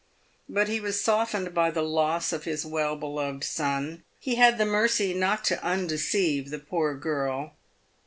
But he was softened by the loss of his well beloved son. He had the mercy not to undeceive the poor girl.